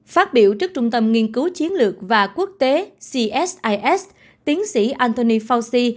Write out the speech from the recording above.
phát biểu trước trung tâm nghiên cứu chiến lược và quốc tế tiến sĩ anthony fauci